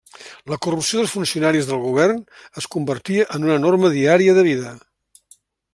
La corrupció dels funcionaris del govern es convertia en una norma diària de vida.